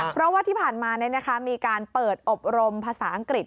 เพราะว่าที่ผ่านมามีการเปิดอบรมภาษาอังกฤษ